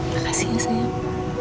makasih ya sayang